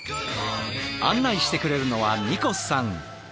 案内してくれるのはニコスさん。